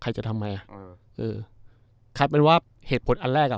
จะทำไมอ่ะเออกลายเป็นว่าเหตุผลอันแรกอ่ะ